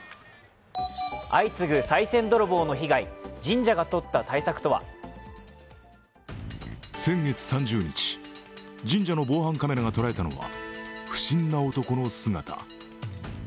相次ぐさい銭泥棒の被害神社がとった対策とは先月３０日、神社の防犯カメラが捉えたのは不審な男の姿。